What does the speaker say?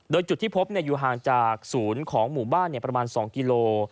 โดยจุดที่พบอยู่ห่างจากศูนย์ของหมู่บ้านประมาณ๒กิโล